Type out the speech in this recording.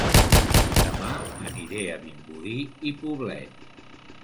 Dema aniré a Vimbodí i Poblet